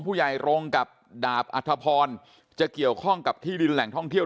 ผู้ใหญ่รงค์กับดาบอัธพรจะเกี่ยวข้องกับที่ดินแหล่งท่องเที่ยว